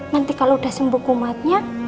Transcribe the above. nanti kalau udah sembuh kumatnya